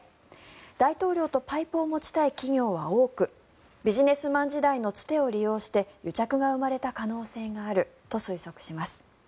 大統領とパイプを持ちたい企業は多くビジネスマン時代のつてを利用して癒着が生まれた可能性があると推測します。